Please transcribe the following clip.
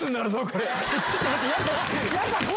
ちょっと待って！